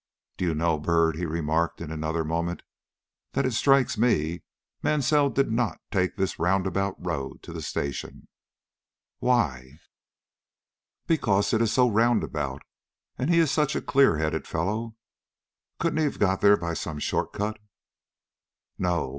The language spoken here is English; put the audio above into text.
"Do you know, Byrd," he remarked in another moment, "that it strikes me Mansell did not take this roundabout road to the station?" "Why?" "Because it is so roundabout, and he is such a clearheaded fellow. Couldn't he have got there by some shorter cut?" "No.